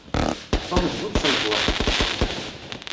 Tom d bu tṣelbuɛt.